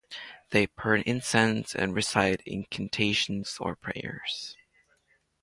They burn incense and recite incantations or prayers.